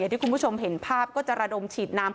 ที่คุณผู้ชมเห็นภาพก็จะระดมฉีดน้ำ